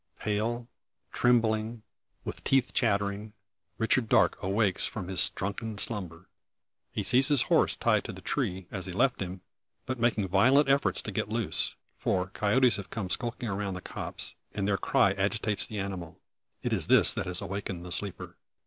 Pale, trembling, with teeth chattering, Richard Darke awakes from his drunken slumber. He sees his horse tied to the tree, as he left him, but making violent efforts to get loose. For coyotes have come skulking around the copse, and their cry agitates the animal. It is this that has awakened the sleeper.